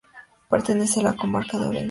Pertenece a la Comarca de Orense.